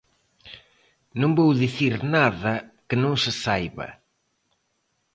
Non vou dicir nada que non se saiba.